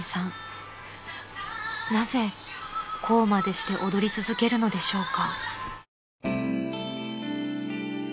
［なぜこうまでして踊り続けるのでしょうか？］